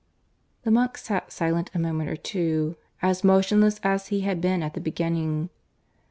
The monk sat silent a moment or two, as motionless as he had been at the beginning.